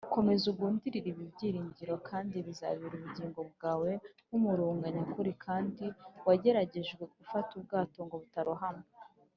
komeza ugundire ibi byiringiro, kandi bizabera ubugingo bwawe nk’umurunga nyakuri kandi wageragejwe ufata ubwato ngo butarohama